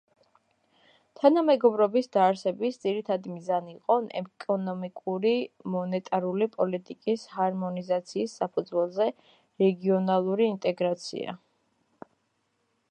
თანამეგობრობის დაარსების ძირითადი მიზანი იყო ეკონომიკური და მონეტარული პოლიტიკის ჰარმონიზაციის საფუძველზე რეგიონალური ინტეგრაცია.